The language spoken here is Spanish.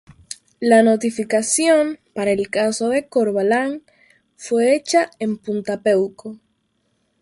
La notificación, para el caso de Corbalán, fue hecha en Punta Peuco.